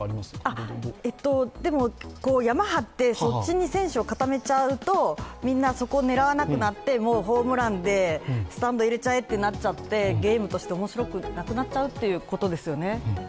ヤマ張って、そっちに選手を固めちゃうとみんなそこを狙わなくなってみんなホームランでスタンド入れちゃうってことでゲームとして面白くなくなっちゃうということですよね。